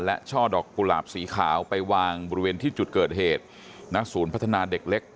และช่อดอกกุหลาบสีขาวไปวางบริเวณที่จุดเกิดเหตุณศูนย์พัฒนาเด็กเล็ก